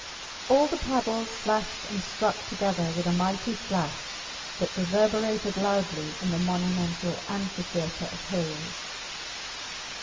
All the paddles flashed and struck together with a mighty splash that reverberated loudly in the monumental amphitheatre of hills.